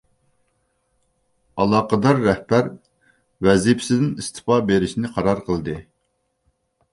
ئالاقىدار رەھبەر ۋەزىپىسىدىن ئىستېپا بېرىشنى قارار قىلدى.